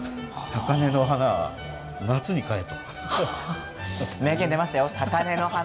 高値の花は夏に買え。